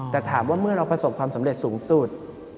แต่ถามว่าเมื่อเราประสบความสำเร็จสูงสุด